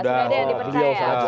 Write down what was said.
sudah ada yang dipercaya